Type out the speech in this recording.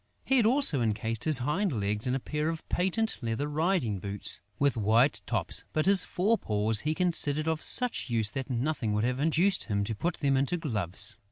He had also encased his hind legs in a pair of patent leather riding boots, with white tops; but his fore paws he considered of such use that nothing would have induced him to put them into gloves.